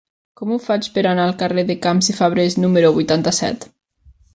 Com ho faig per anar al carrer de Camps i Fabrés número vuitanta-set?